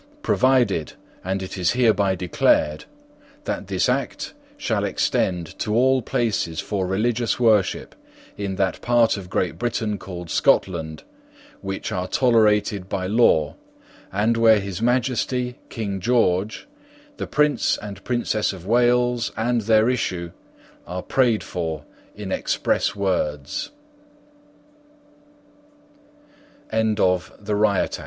X. Provided, and it is hereby declared, That this act shall extend to all places for religious worship, in that part of Great Britain called Scotland, which are tolerated by law, and where his majesty King George, the prince and princess of Wales, and their issue, are prayed for in e